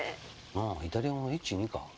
ああイタリア語の１２か。